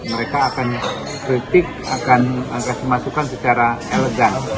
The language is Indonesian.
mereka akan kritik akan masukkan secara elegan